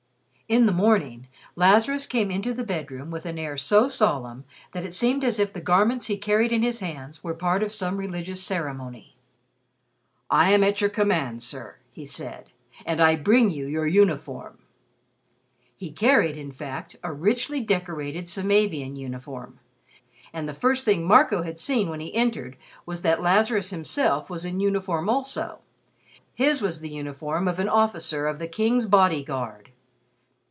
In the morning, Lazarus came into the bedroom with an air so solemn that it seemed as if the garments he carried in his hands were part of some religious ceremony. "I am at your command, sir," he said. "And I bring you your uniform." He carried, in fact, a richly decorated Samavian uniform, and the first thing Marco had seen when he entered was that Lazarus himself was in uniform also. His was the uniform of an officer of the King's Body Guard.